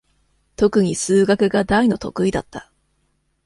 とくに数学が大の得意だった。